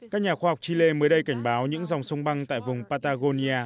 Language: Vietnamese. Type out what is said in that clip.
các nhà khoa học chile mới đây cảnh báo những dòng sông băng tại vùng patagonia